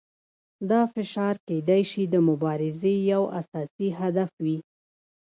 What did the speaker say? دا فشار کیدای شي د مبارزې یو اساسي هدف وي.